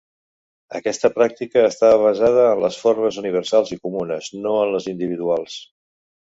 Aquesta pràctica estava basada en les formes universals i comunes, no en les individuals.